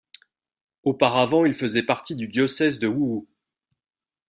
Auparavant, il faisait partie du diocèse de Wuhu.